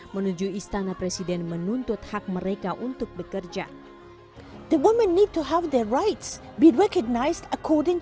menuju istana presiden menuntut hak mereka untuk bekerja